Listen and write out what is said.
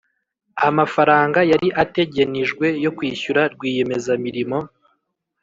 amafaranga yari ategenijwe yo kwishyura rwiyemezamirimo